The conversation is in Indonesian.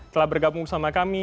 telah bergabung sama kami